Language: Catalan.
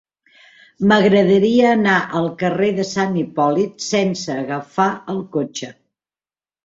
M'agradaria anar al carrer de Sant Hipòlit sense agafar el cotxe.